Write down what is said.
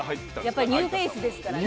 やっぱりニューフェースですからね。